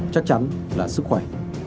chắc chắn là sức khỏe